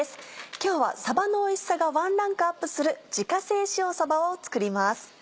今日はさばのおいしさがワンランクアップする「自家製塩さば」を作ります。